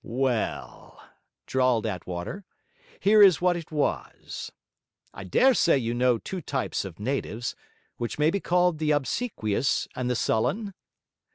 'Well,' drawled Attwater, 'here is what it was. I dare say you know two types of natives, which may be called the obsequious and the sullen?